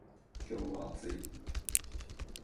今日は暑い